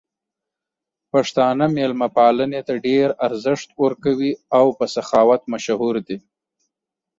پښتانه مېلمه پالنې ته ډېر ارزښت ورکوي او په سخاوت مشهور دي.